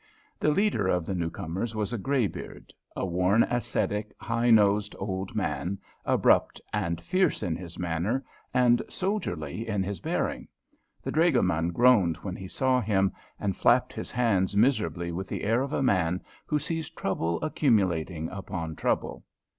The leader of the new comers was a greybeard, a worn, ascetic, high nosed old man, abrupt and fierce in his manner, and soldierly in his bearing. The dragoman groaned when he saw him, and flapped his hands miserably with the air of a man who sees trouble accumulating upon trouble.